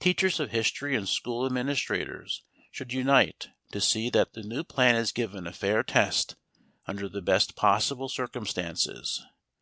Teachers of history and school administrators should unite to see that the new plan is given a fair test under the best possible circumstances.